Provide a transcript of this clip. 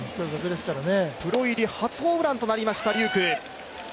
プロ入り初ホームランとなりました龍空。